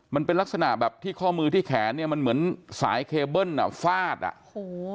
มันเป็นลักษณะแบบที่ข้อมือที่แขนเนี้ยมันเหมือนสายเคเบิ้ลอ่ะฟาดอ่ะโอ้โห